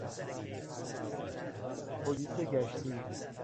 پلیس گشتی